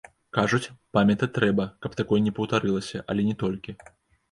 Кажуць, памятаць трэба, каб такое не паўтарылася, але не толькі.